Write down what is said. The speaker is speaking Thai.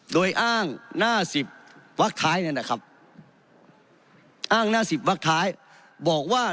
โดยอ้างหน้า๑๐วัคท้ายนั่นนะครับอ้างหน้า๑๐วัคท้ายบอกว่า